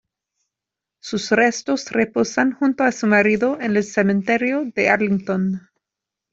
Sus restos reposan junto a su marido en el Cementerio de Arlington.